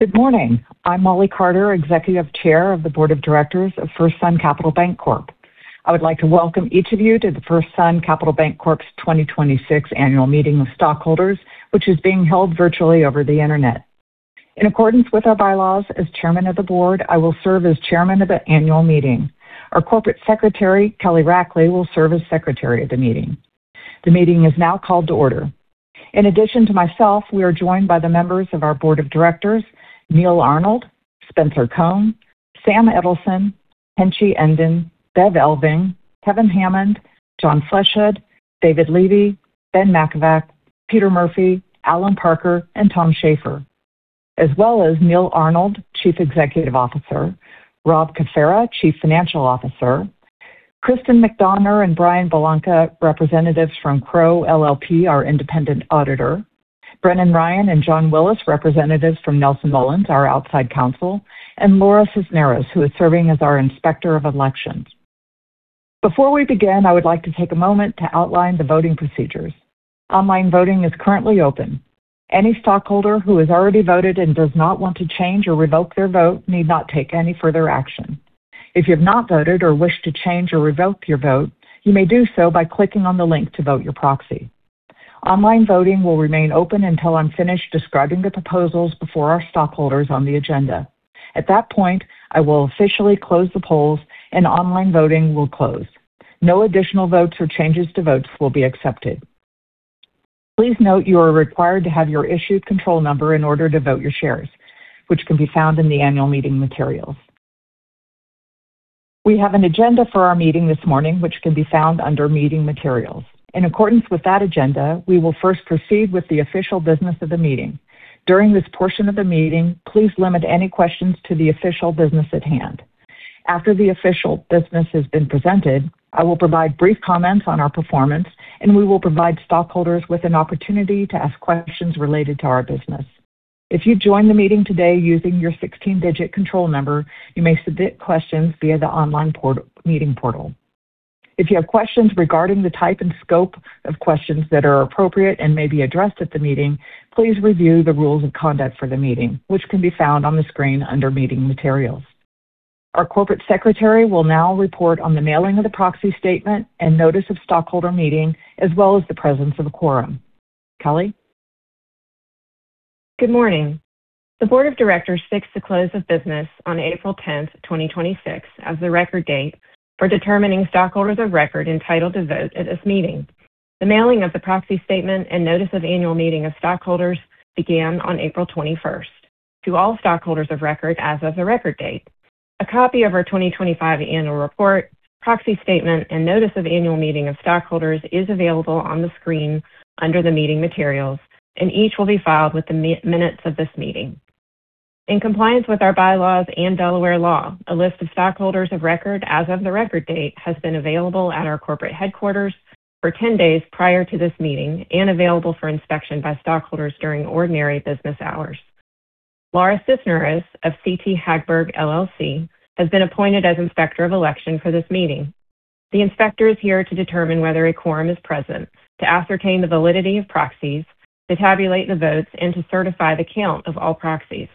Good morning. I'm Mollie Carter, Executive Chair of the Board of Directors of FirstSun Capital Bancorp. I would like to welcome each of you to the FirstSun Capital Bancorp's 2026 annual meeting of stockholders, which is being held virtually over the internet. In accordance with our bylaws, as chairman of the board, I will serve as chairman of the annual meeting. Our Corporate Secretary, Kelly Rackley, will serve as secretary of the meeting. The meeting is now called to order. In addition to myself, we are joined by the members of our Board of Directors, Neal Arnold, Spencer Cohn, Sam Edelson, Henchy Enden, Beverly Elving, Kevin Hammond, John Fleshood, David Levy, Ben Mackovak, Peter Murphy, Allen Parker, and Tom Shafer, as well as Neal Arnold, Chief Executive Officer, Rob Caffera, Chief Financial Officer, Kristin McDonough and [Brian Bolanca], representatives from Crowe LLP, our independent auditor, Brennan Ryan and John Willis, representatives from Nelson Mullins, our outside counsel, and Laura Cisneros, who is serving as our Inspector of Elections. Before we begin, I would like to take a moment to outline the voting procedures. Online voting is currently open. Any stockholder who has already voted and does not want to change or revoke their vote need not take any further action. If you have not voted or wish to change or revoke your vote, you may do so by clicking on the link to vote your proxy. Online voting will remain open until I'm finished describing the proposals before our stockholders on the agenda. At that point, I will officially close the polls and online voting will close. No additional votes or changes to votes will be accepted. Please note you are required to have your issue control number in order to vote your shares, which can be found in the annual meeting materials. We have an agenda for our meeting this morning, which can be found under Meeting Materials. In accordance with that agenda, we will first proceed with the official business of the meeting. During this portion of the meeting, please limit any questions to the official business at hand. After the official business has been presented, I will provide brief comments on our performance, and we will provide stockholders with an opportunity to ask questions related to our business. If you joined the meeting today using your 16-digit control number, you may submit questions via the online meeting portal. If you have questions regarding the type and scope of questions that are appropriate and may be addressed at the meeting, please review the rules of conduct for the meeting, which can be found on the screen under Meeting Materials. Our Corporate Secretary will now report on the mailing of the proxy statement and notice of stockholder meeting, as well as the presence of a quorum. Kelly? Good morning. The board of directors fixed the close of business on April 10th, 2026, as the record date for determining stockholders of record entitled to vote at this meeting. The mailing of the proxy statement and notice of annual meeting of stockholders began on April 21st to all stockholders of record as of the record date. A copy of our 2025 annual report, proxy statement, and notice of annual meeting of stockholders is available on the screen under the meeting materials, and each will be filed with the minutes of this meeting. In compliance with our bylaws and Delaware law, a list of stockholders of record as of the record date has been available at our corporate headquarters for 10 days prior to this meeting and available for inspection by stockholders during ordinary business hours. Laura Cisneros of CT Hagberg LLC has been appointed as Inspector of Election for this meeting. The inspector is here to determine whether a quorum is present, to ascertain the validity of proxies, to tabulate the votes, and to certify the count of all proxies.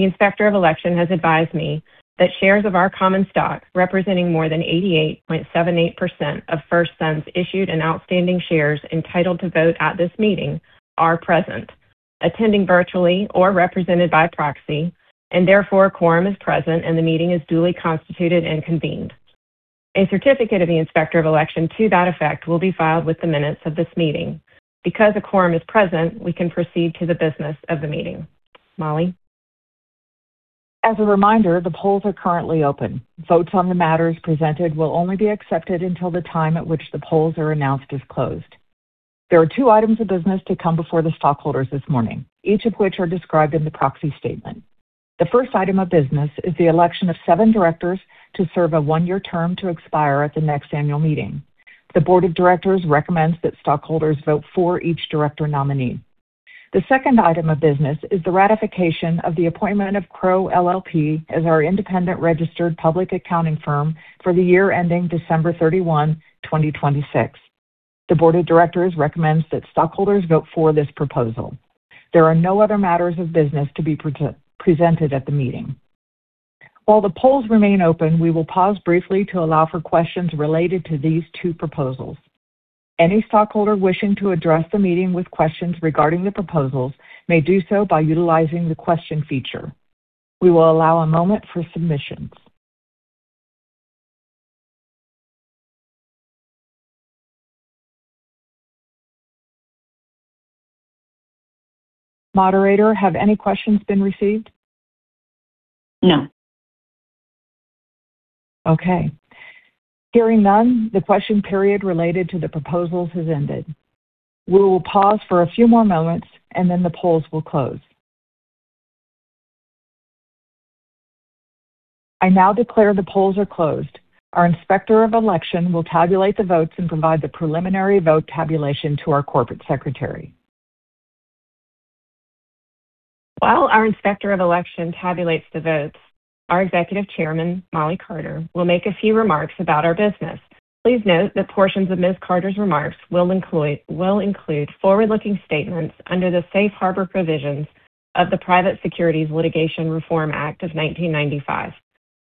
The Inspector of Election has advised me that shares of our common stock, representing more than 88.78% of FirstSun's issued and outstanding shares entitled to vote at this meeting are present, attending virtually or represented by proxy, and therefore a quorum is present and the meeting is duly constituted and convened. A certificate of the Inspector of Election to that effect will be filed with the minutes of this meeting. Because a quorum is present, we can proceed to the business of the meeting. Mollie? As a reminder, the polls are currently open. Votes on the matters presented will only be accepted until the time at which the polls are announced as closed. There are two items of business to come before the stockholders this morning, each of which are described in the proxy statement. The first item of business is the election of seven directors to serve a one-year term to expire at the next annual meeting. The board of directors recommends that stockholders vote for each director nominee. The second item of business is the ratification of the appointment of Crowe LLP as our independent registered public accounting firm for the year ending December 31, 2026. The board of directors recommends that stockholders vote for this proposal. There are no other matters of business to be presented at the meeting. While the polls remain open, we will pause briefly to allow for questions related to these two proposals. Any stockholder wishing to address the meeting with questions regarding the proposals may do so by utilizing the question feature. We will allow a moment for submissions. Moderator, have any questions been received? No. Hearing none, the question period related to the proposals has ended. We will pause for a few more moments, and then the polls will close. I now declare the polls are closed. Our Inspector of Elections will tabulate the votes and provide the preliminary vote tabulation to our Corporate Secretary. While our Inspector of Election tabulates the votes. Our Executive Chairman, Mollie Carter, will make a few remarks about our business. Please note that portions of Ms. Carter's remarks will include forward-looking statements under the safe harbor provisions of the Private Securities Litigation Reform Act of 1995.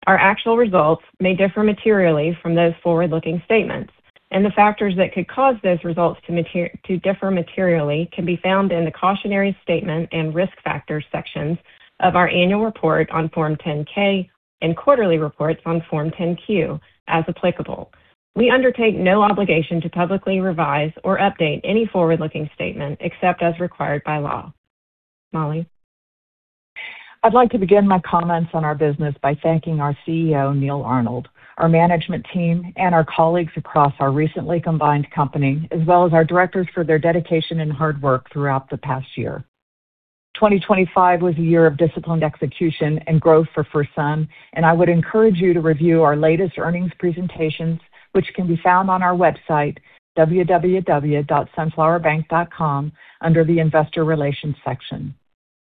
Our actual results may differ materially from those forward-looking statements, and the factors that could cause those results to differ materially can be found in the cautionary statement and risk factors sections of our annual report on Form 10-K and quarterly reports on Form 10-Q, as applicable. We undertake no obligation to publicly revise or update any forward-looking statement except as required by law. Mollie? I'd like to begin my comments on our business by thanking our CEO, Neal Arnold, our management team, and our colleagues across our recently combined company, as well as our directors for their dedication and hard work throughout the past year. 2025 was a year of disciplined execution and growth for FirstSun, and I would encourage you to review our latest earnings presentations, which can be found on our website, www.sunflowerbank.com, under the investor relations section.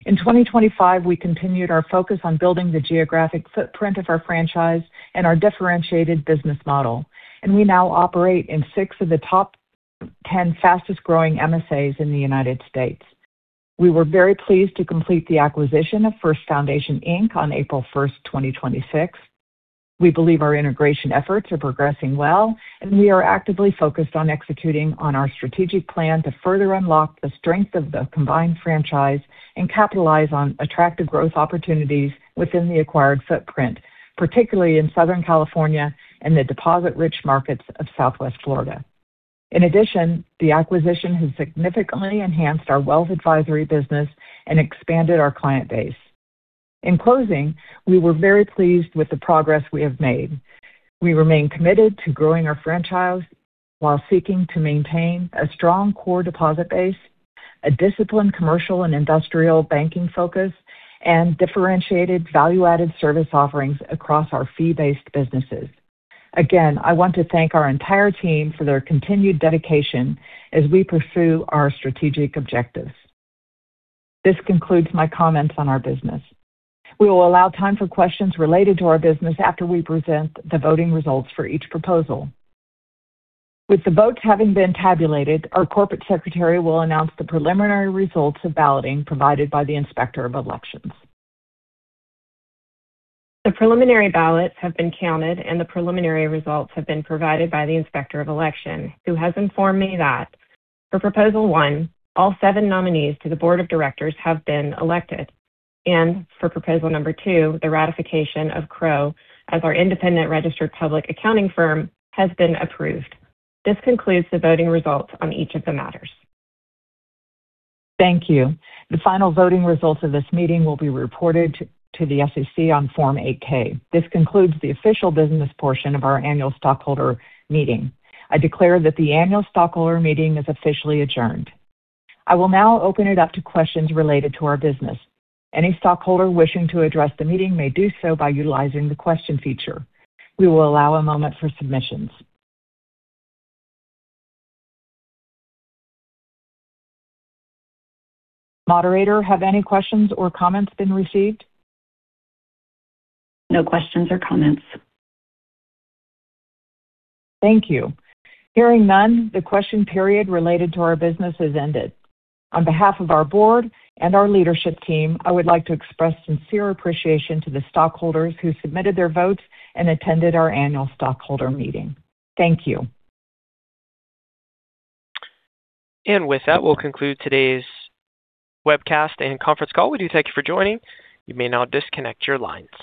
In 2025, we continued our focus on building the geographic footprint of our franchise and our differentiated business model, and we now operate in six of the top 10 fastest-growing MSAs in the U.S. We were very pleased to complete the acquisition of First Foundation Inc on April first, 2026. We believe our integration efforts are progressing well, and we are actively focused on executing on our strategic plan to further unlock the strength of the combined franchise and capitalize on attractive growth opportunities within the acquired footprint, particularly in Southern California and the deposit-rich markets of Southwest Florida. In addition, the acquisition has significantly enhanced our wealth advisory business and expanded our client base. In closing, we were very pleased with the progress we have made. We remain committed to growing our franchise while seeking to maintain a strong core deposit base, a disciplined commercial and industrial banking focus, and differentiated value-added service offerings across our fee-based businesses. Again, I want to thank our entire team for their continued dedication as we pursue our strategic objectives. This concludes my comments on our business. We will allow time for questions related to our business after we present the voting results for each proposal. With the votes having been tabulated, our Corporate Secretary will announce the preliminary results of balloting provided by the Inspector of Elections. The preliminary ballots have been counted, and the preliminary results have been provided by the Inspector of Election, who has informed me that for proposal one, all seven nominees to the board of directors have been elected. For proposal number two, the ratification of Crowe as our independent registered public accounting firm has been approved. This concludes the voting results on each of the matters. Thank you. The final voting results of this meeting will be reported to the SEC on Form 8-K. This concludes the official business portion of our annual stockholder meeting. I declare that the annual stockholder meeting is officially adjourned. I will now open it up to questions related to our business. Any stockholder wishing to address the meeting may do so by utilizing the question feature. We will allow a moment for submissions. Moderator, have any questions or comments been received? No questions or comments. Thank you. Hearing none, the question period related to our business has ended. On behalf of our board and our leadership team, I would like to express sincere appreciation to the stockholders who submitted their votes and attended our annual stockholder meeting. Thank you. With that, we'll conclude today's webcast and conference call. We do thank you for joining. You may now disconnect your line.